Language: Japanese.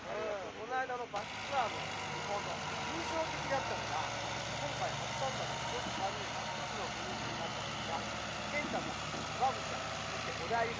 「こないだのバスツアーのリポート」「印象的だったのが今回初参加の女子３人が一つのグループになったんですがケンタさんわぶちゃんそしておだいり様」